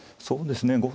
そうですね。